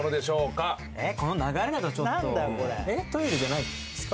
この流れだとちょっとトイレじゃないっすか？